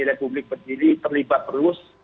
republik petiri terlibat terus